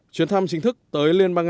chuyến thăm chính thức tới liên bang nga